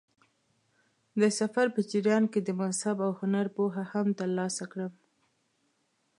د سفر په جریان کې د مذهب او هنر پوهه هم ترلاسه کړم.